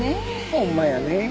ホンマやねえ。